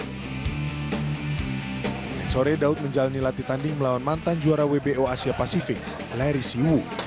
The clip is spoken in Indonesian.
senin sore daud menjalani latih tanding melawan mantan juara wbo asia pasifik larry siwu